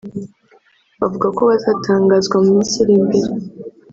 bavuga ko bazatangazwa mu minsi iri imbere